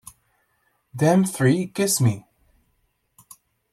Damn thee, kiss me!